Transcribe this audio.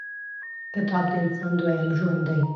• کتاب، د انسان دویم ژوند دی.